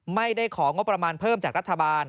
ไม่ได้ของงบประมาณเพิ่มจากรัฐบาล